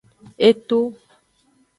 E to.